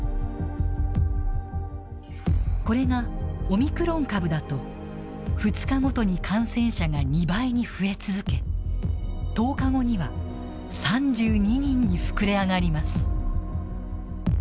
これがオミクロン株だと２日ごとに感染者が２倍に増え続け１０日後には３２人に膨れ上がります。